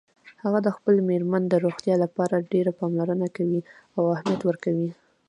هغه د خپلې میرمن د روغتیا لپاره ډېره پاملرنه کوي او اهمیت ورکوي